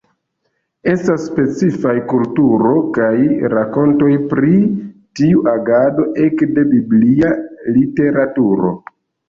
Estas specifaj kulturo kaj rakontoj pri tiu agado ekde biblia literaturo.